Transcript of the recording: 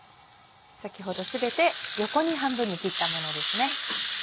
先ほど全て横に半分に切ったものですね。